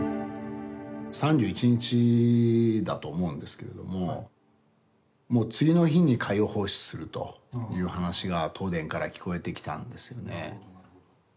３１日だと思うんですけれどももう次の日に海洋放出するという話が東電から聞こえてきたんですよね。